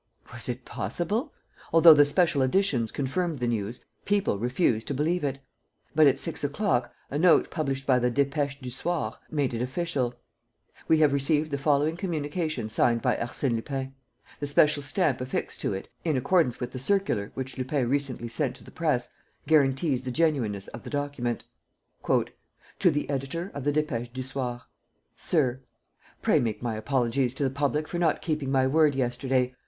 Was it possible? Although the special editions confirmed the news, people refused to believe it. But, at six o'clock, a note published by the Dépêche du Soir made it official: "We have received the following communication signed by Arsène Lupin. The special stamp affixed to it, in accordance with the circular which Lupin recently sent to the press, guarantees the genuineness of the document: "'To the Editor of the Dépêche du Soir. "SIR, "'Pray make my apologies to the public for not keeping my word yesterday.